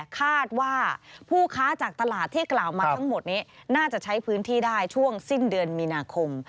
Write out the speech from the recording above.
คาดว่าผู้ค้าจากตลาดที่กล่าวมาทั้งหมดนี้น่าจะใช้พื้นที่ได้ช่วงสิ้นเดือนมีนาคม